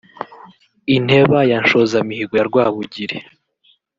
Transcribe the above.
Inteba ya Nshozamihigo ya Rwabugili